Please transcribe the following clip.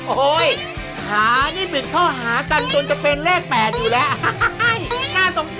โอ้โหหานี่ปิดข้อหากันจนจะเป็นเลข๘อยู่แล้วน่าสงสาร